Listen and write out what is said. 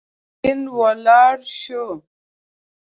غوث الدين ولاړ شو.